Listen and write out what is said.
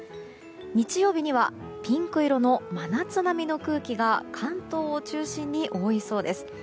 日曜日にはピンク色の真夏並みの空気が関東を中心に覆いそうです。